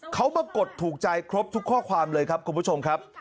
เขามากดถูกใจครบทุกข้อความเลยครับคุณผู้ชมครับ